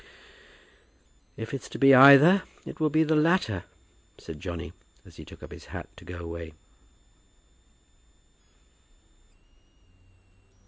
"If it's to be either, it will be the latter," said Johnny as he took up his hat to go away.